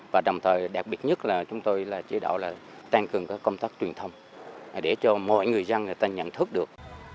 và đồng thời đặc biệt nhất là chúng tôi chỉ đạo tăng cường công tác truyền thông để cho mọi người dân nhận thức được